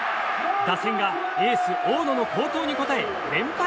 打線がエース、大野の好投に応え連敗